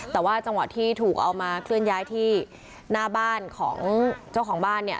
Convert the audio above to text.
แต่ว่าจังหวะที่ถูกเอามาเคลื่อนย้ายที่หน้าบ้านของเจ้าของบ้านเนี่ย